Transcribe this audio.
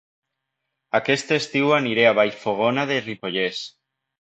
Aquest estiu aniré a Vallfogona de Ripollès